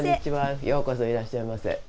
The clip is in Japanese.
ようこそいらっしゃいませ。